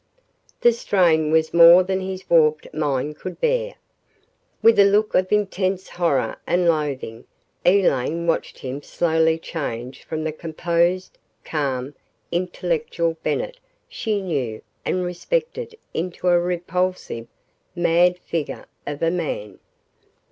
The strain was more than his warped mind could bear. With a look of intense horror and loathing, Elaine watched him slowly change from the composed, calm, intellectual Bennett she knew and respected into a repulsive, mad figure of a man.